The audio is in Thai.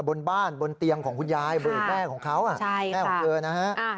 บนบ้านบนเตียงของคุณยายแม่ของเขาใช่ค่ะแม่ของเธอนะฮะอ่า